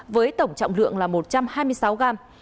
với tổng trọng lượng là một trăm hai mươi sáu gram